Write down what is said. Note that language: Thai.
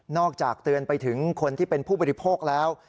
จากเตือนไปถึงคนที่เป็นผู้บริโภคแล้ว